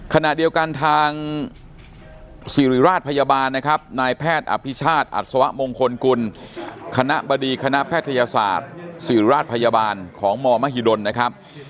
ขณะเดียวกันทางสิริราชพยาบาลนะครับนายแพทย์อภิชาติอัศวะมงคลกุลคณะบดีคณะแพทยศาสตร์ศิริราชพยาบาลของมมหิดลนะครับ